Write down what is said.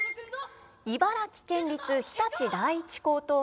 茨城県立日立第一高等学校です。